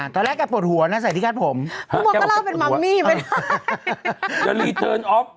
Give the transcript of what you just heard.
ตอนแรกกะปวดหัวนะใส่ดีค่ะผมพระอาโบก็เล่าเป็นมัมมี่ไหม